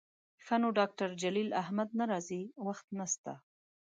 ښه نو ډاکتر جلیل احمد نه راځي، وخت نسته